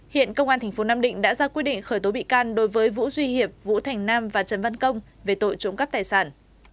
hiện công an tp nam định đã ra quyết định khởi tố bị can đối với vũ duy hiệp vũ thành nam và trần văn công về tội trộm cắp tài sản